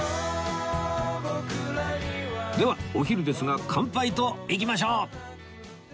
ではお昼ですが乾杯といきましょう